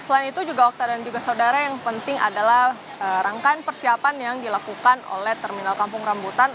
selain itu juga okta dan juga saudara yang penting adalah rangkaian persiapan yang dilakukan oleh terminal kampung rambutan